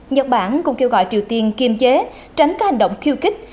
nhật bản cũng kêu gọi triều tiên kiềm chế tránh các hành động khiêu kích